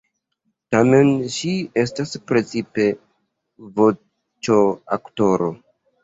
Tamen ŝi estas precipe voĉoaktoro.